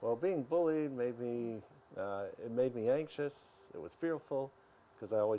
saya berbicara dengan verbal seperti setiap umur delapan belas bulan